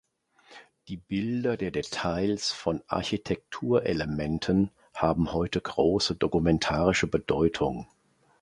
Die Bilder der Details von Architekturelementen haben heute große dokumentarische Bedeutung.